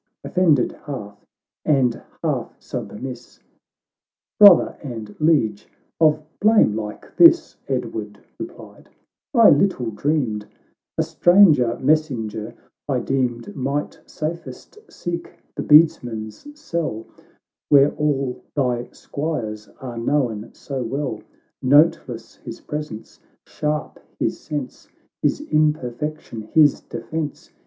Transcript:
—— Offended half, and half submiss, " Brother and Liege, of blame like this," Edward replied, "I little dreamed. A stranger messenger, I deemed, Might safest seek the beadsman's cell, Where all thy squires are known so well. Noteless his presence, sharp his sense, His imperfection his defence.